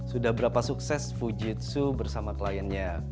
sudah berapa sukses fujitsu bersama kliennya